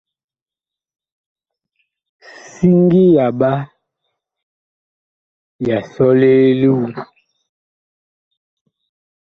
Siŋgi yaɓa ya sɔle li wu.